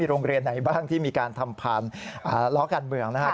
โรงเรียนไหนบ้างที่มีการทำผ่านล้อการเมืองนะครับ